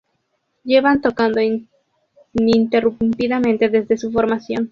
Llevan tocando ininterrumpidamente desde su formación.